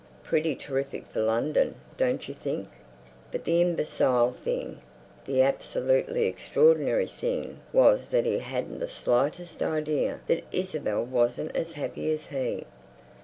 Pretty terrific for London, don't you think?" But the imbecile thing, the absolutely extraordinary thing was that he hadn't the slightest idea that Isabel wasn't as happy as he.